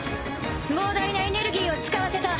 膨大なエネルギーを使わせた。